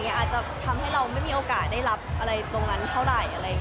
อาจจะทำให้เราไม่มีโอกาสได้รับอะไรตรงนั้นเท่าไหร่